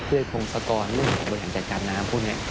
เพื่อคงสกรเรื่องของบริหารจัดการน้ำพวกนี้